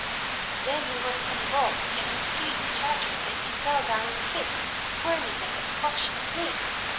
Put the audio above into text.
Then he was convulsed,[FN#147] and his teeth chattered and he fell down in a fit, squirming like a scotched snake.